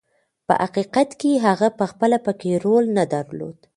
په حقیقت کې هغه پخپله پکې رول نه درلود.